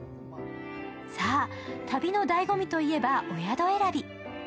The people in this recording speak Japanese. さぁ、旅のだいご味といえば、お宿選び。